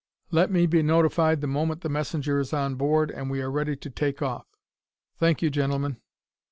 Let me be notified the moment the messenger is on board and we are ready to take off. Thank you, gentlemen!"